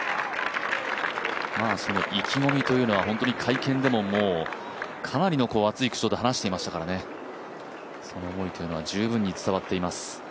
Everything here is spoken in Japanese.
意気込みというのは会見でもかなりの熱い口調で話していましたからその思いというのは十分に伝わっています。